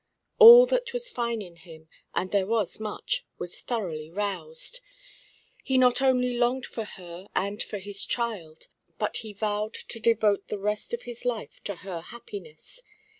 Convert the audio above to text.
All that was fine in him, and there was much, was thoroughly roused. He not only longed for her and for his child, but he vowed to devote the rest of his life to her happiness.